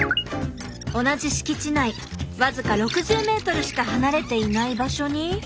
同じ敷地内僅か６０ｍしか離れていない場所に。